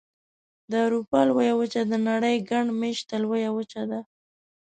د اروپا لویه وچه د نړۍ ګڼ مېشته لویه وچه ده.